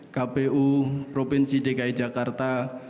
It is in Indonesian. kpu provinsi dki jakarta